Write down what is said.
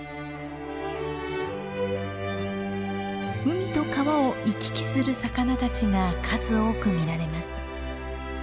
海と川を行き来する魚たちが数多く見られます。